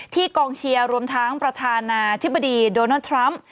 กองเชียร์รวมทั้งประธานาธิบดีโดนัลด์ทรัมป์